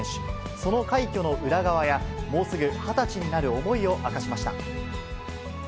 その快挙の裏側や、もうすぐ２０歳になる思いを明かしました。